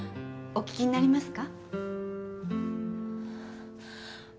お聞きになりますか？